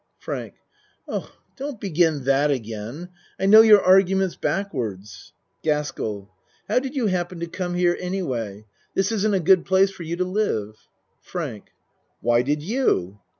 FRANK Oh, don't begin that again. I know your arguments backwards. GASKELL How did you happen to come here anyway? This isn't a good place for you to live. FRANK Why did you?